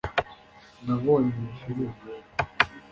nabonye iyo firime